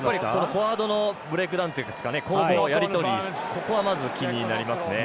フォワードのブレイクダウンというか攻防のやり取りが気になりますね。